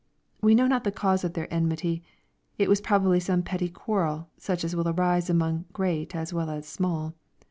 We know not the cause of their enmity. It was probably some petty quarrel, such as will arise among great as well as small.